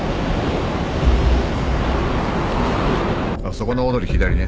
そこの大通り左ね。